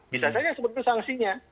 bisa saja sebetulnya sanksinya